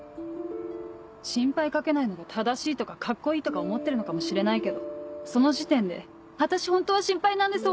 心配掛けないのが正しいとかカッコいいとか思ってるのかもしれないけどその時点で「私ホントは心配なんです」